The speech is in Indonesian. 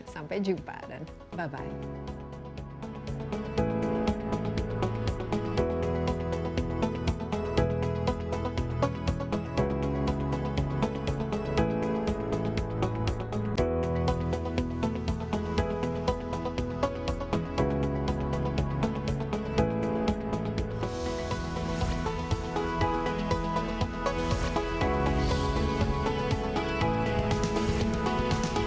sampai jumpa dan bye bye